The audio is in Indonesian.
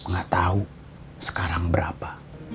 gak tau sekarang berapa